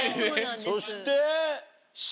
そして。